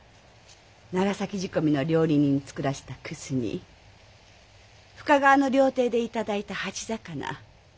長崎仕込みの料理人に作らせた葛煮深川の料亭で頂いた鉢肴。